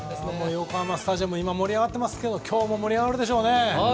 横浜スタジアムは盛り上がってますけど今日も盛り上がるでしょうね。